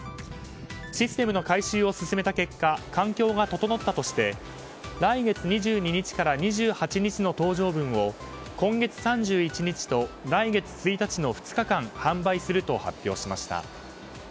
システムの改修を進めた結果環境が整ったとして来月２２日から２８日の搭乗分を今月３１日と来月１日の２日間販売すると発表しました。